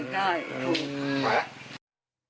ได้ได้